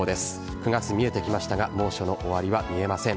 ９月、見えてきましたが猛暑の終わりは見えません。